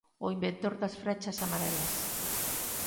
O inventor das frechas amarelas.